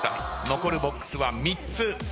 残るボックスは３つ。